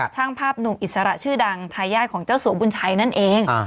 ช่างภาพหนุ่มอิสระชื่อดังทายาทของเจ้าสัวบุญชัยนั่นเอง